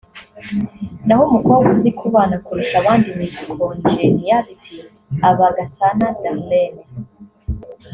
naho umukobwa uzi kubana kurusha abandi (Miss Congeniality) aba Gasana Darlene